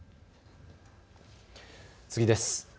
次です。